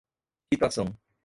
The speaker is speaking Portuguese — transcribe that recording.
quitação